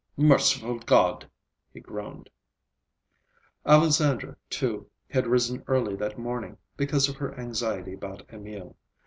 "Merciful God!" he groaned. Alexandra, too, had risen early that morning, because of her anxiety about Emil.